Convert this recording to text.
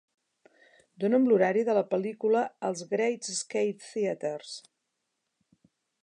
Dóna'm l'horari de la pel·lícula als Great Escape Theatres.